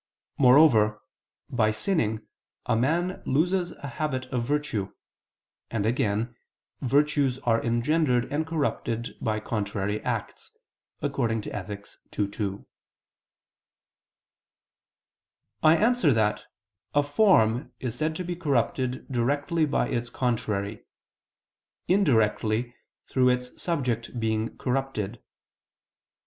Moreover, by sinning a man loses a habit of virtue: and again, virtues are engendered and corrupted by contrary acts (Ethic. ii, 2). I answer that, A form is said to be corrupted directly by its contrary; indirectly, through its subject being corrupted.